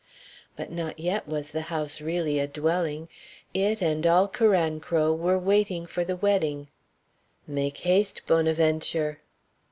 But not yet was the house really a dwelling; it, and all Carancro, were waiting for the wedding. Make haste, Bonaventure!